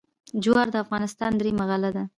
جوار د افغانستان درېیمه غله ده.